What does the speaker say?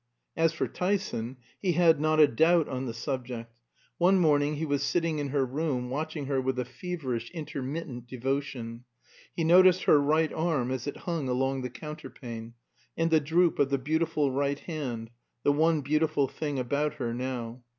As for Tyson, he had not a doubt on the subject. One morning he was sitting in her room, watching her with a feverish, intermittent devotion. He noticed her right arm as it hung along the counterpane, and the droop of the beautiful right hand the one beautiful thing about her now.